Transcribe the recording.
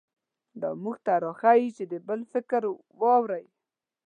دا موږ ته راښيي چې د بل فکر واورئ.